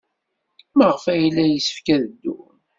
Maɣef ay yella yessefk ad ddun?